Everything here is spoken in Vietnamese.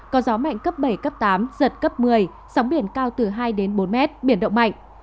có gió mạnh cấp bảy cấp tám giật cấp một mươi sóng biển cao từ hai đến bốn mét biển động mạnh